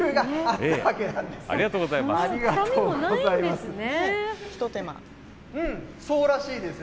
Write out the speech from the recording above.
ありがとうございます。